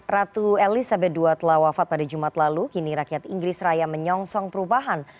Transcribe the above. ratu elizabeth ii telah wafat pada jumat lalu kini rakyat inggris raya menyongsong perubahan